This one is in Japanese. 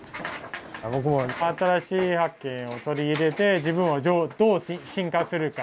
僕も新しい発見を取り入れて自分をどう進化するか。